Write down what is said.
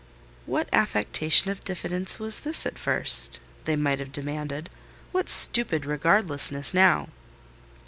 "What affectation of diffidence was this at first?" they might have demanded; "what stupid regardlessness now?"